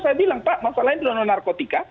saya bilang pak masalahnya dengan narkotika